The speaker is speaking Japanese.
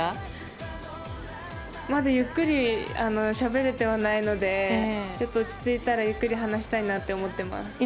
まだゆっくりしゃべれてはないので落ち着いたらゆっくり話したいなと思っています。